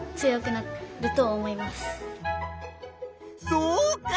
そうか！